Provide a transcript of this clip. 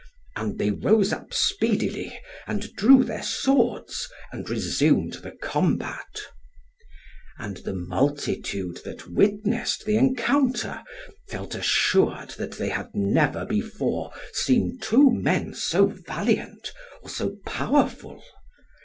And they rose up speedily, and drew their swords, and resumed the combat. {37b} And the multitude that witnessed the encounter felt assured that they had never before seen two men so valiant, or so powerful.